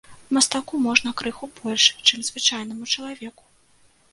Мастаку можна крыху больш, чым звычайнаму чалавеку.